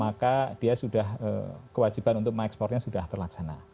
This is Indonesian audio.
maka dia sudah kewajiban untuk mengekspornya sudah terlaksana